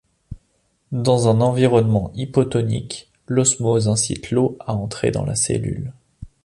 Dans un environnement hypotonique, l'osmose incite l'eau à entrer dans la cellule.